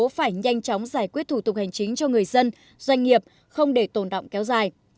phải nhanh chóng giải quyết thủ tục hành chính cho người dân doanh nghiệp không để tồn động kéo dài